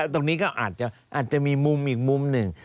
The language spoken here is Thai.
ตรงนี้ก็อาจจะมีมุมอีกมุมหนึ่ง